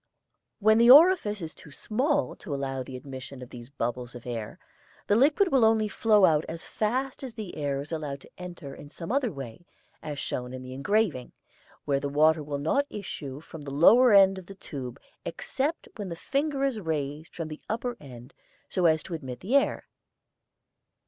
Where the orifice is too small to allow of the admission of these bubbles of air, the liquid will only flow out as fast as the air is allowed to enter in some other way, as shown in the engraving, where the water will not issue from the lower end of the tube except when the finger is raised from the upper end so as to admit the air.